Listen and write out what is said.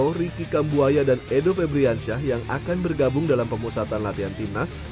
rahmat irianto ricky kambuaya dan edo febriansya yang akan bergabung dalam pemusatan latihan timnas